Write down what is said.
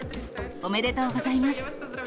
おめでとうございます。